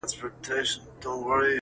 ظریف خان ته ګوره او تاوان ته یې ګوره -